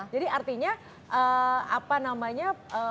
jadi artinya apa namanya